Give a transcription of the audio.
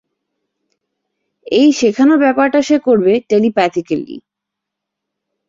এই শেখানোর ব্যাপারটা সে করবে-টেলিপ্যাথিকেলি।